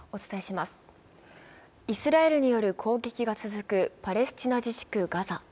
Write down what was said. イスラエルによる攻撃が続くパレスチナ自治区ガザ。